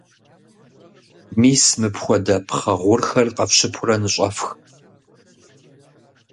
Мис мыпхуэдэ пхъэ гъурхэр къэфщыпурэ ныщӀэфх.